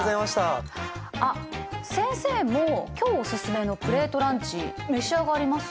あ先生も今日おすすめのプレートランチ召し上がります？